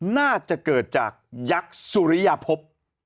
น่าจะเกิดจากยักษ์สุริยภพ